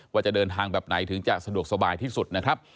ว่าจะเดินทางแบบไหนถึงจะสะดวกสบายที่สุดนะครับ